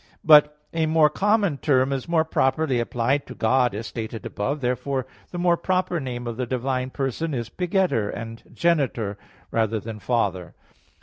But a more common term is more properly applied to God, as stated above (Q. 13, A. 11). Therefore the more proper name of the divine person is begetter and genitor than Father.